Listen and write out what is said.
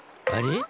あれ？